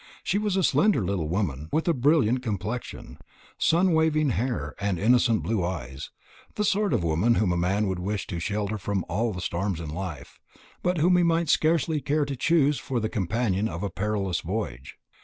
She was a slender little woman, with a brilliant complexion, sunny waving hair, and innocent blue eyes; the sort of woman whom a man would wish to shelter from all the storms of life, but whom he might scarcely care to choose for the companion of a perilous voyage.